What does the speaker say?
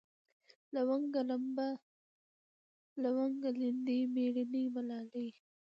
لونگينه ، لمبه ، لونگه ، ليندۍ ، مېړنۍ ، ملالۍ